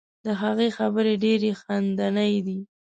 د هغې خبرې ډیرې خندنۍ دي.